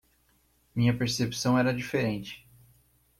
Minha percepção era diferente